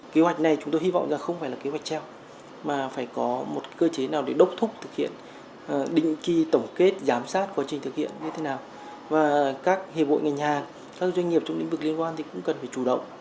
kế hoạch này chúng tôi hy vọng là không phải là kế hoạch treo mà phải có một cơ chế nào để đốc thúc thực hiện định kỳ tổng kết giám sát quá trình thực hiện như thế nào và các hiệp hội ngành hàng các doanh nghiệp trong lĩnh vực liên quan thì cũng cần phải chủ động